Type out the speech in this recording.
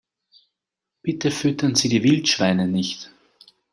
Bitte füttern Sie die Wildschweine nicht!